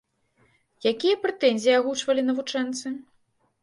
Якія прэтэнзіі агучвалі навучэнцы?